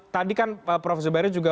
tadi kan prof zubairi juga